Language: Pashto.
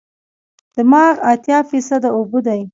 دماغ اتیا فیصده اوبه دي.